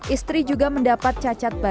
istri juga mendapat cacat badan atau poligami